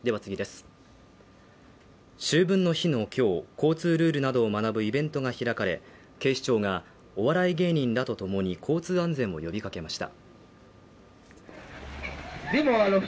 秋分の日の今日交通ルールなどを学ぶイベントが開かれ警視庁がお笑い芸人らとともに交通安全を呼びかけました